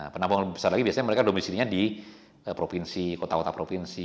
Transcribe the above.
penampung yang lebih besar lagi biasanya mereka dominasinya di provinsi kota kota provinsi